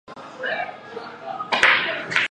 萨摩国出身。